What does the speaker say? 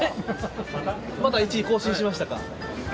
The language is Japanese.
また１位更新しましたか。